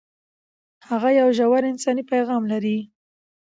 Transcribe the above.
هغه یو ژور انساني پیغام لري.